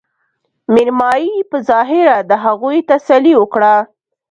مېرمايي په ظاهره د هغوي تسلې وکړه